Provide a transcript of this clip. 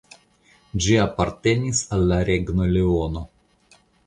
Ĝi apartenis al la Regno Leono.